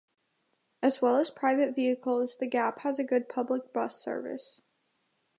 As well as private vehicles, The Gap has a good public bus service.